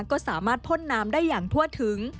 ก็สามารถพ่นน้ำได้อย่างทั่วถึง